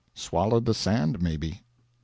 Swallowed the sand, may be. Mr.